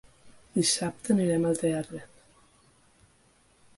Dissabte anirem al teatre.